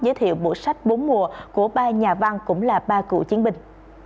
giới thiệu bộ sách bốn mùa của ba nhà văn cũng là ba cựu chiến binh